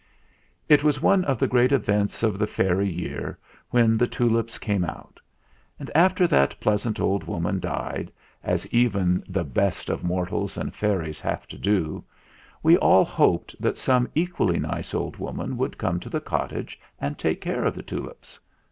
"It was one of the great events of the fairy year when the tulips came out; and after that pleasant old woman died, as even the best of mortals and fairies have to do, we all hoped that some equally nice old woman would come to the cottage and take care of the tulips.